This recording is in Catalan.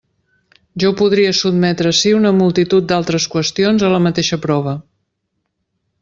Jo podria sotmetre ací una multitud d'altres qüestions a la mateixa prova.